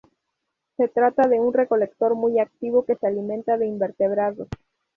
Se trata de un recolector muy activo, que se alimenta de invertebrados.